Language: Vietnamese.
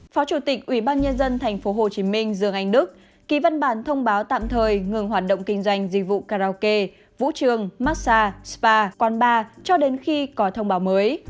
phó chủ tịch ubnd tp hcm dương anh đức ký văn bản thông báo tạm thời ngừng hoạt động kinh doanh dịch vụ karaoke vũ trường master spa quán bar cho đến khi có thông báo mới